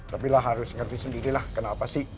tapi lah harus ngerti sendiri lah kenapa sih